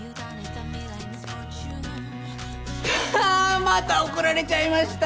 あぁまた怒られちゃいました。